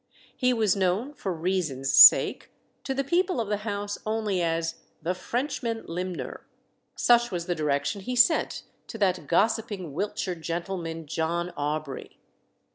He was known for "reasons' sake" to the people of the house only as "the Frenchman limner." Such was the direction he sent to that gossiping Wiltshire gentleman, John Aubrey.